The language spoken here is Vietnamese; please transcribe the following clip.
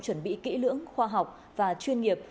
chuẩn bị kỹ lưỡng khoa học và chuyên nghiệp